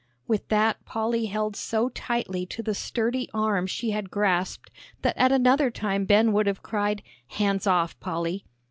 With that Polly held so tightly to the sturdy arm she had grasped that at another time Ben would have cried, "Hands off, Polly!"